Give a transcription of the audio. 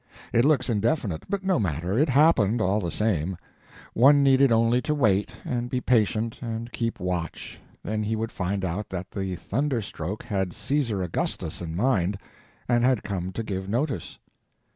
It looks indefinite, but no matter, it happened, all the same; one needed only to wait, and be patient, and keep watch, then he would find out that the thunder stroke had Caesar Augustus in mind, and had come to give notice.